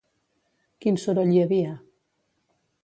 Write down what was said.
Quin soroll hi havia?